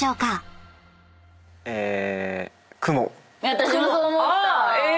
私もそう思った！